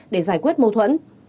để giải quyết mâu thuẫn